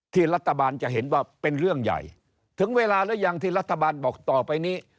ที่รัฐบาลจะเห็นว่าเป็นเรื่องใหญ่ถึงเวลาหรือยังที่รัฐบาลบอกต่อไปนี้